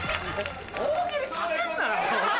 大喜利させんなよ。